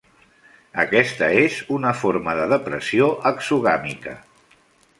Aquesta és una forma de depressió exogàmica.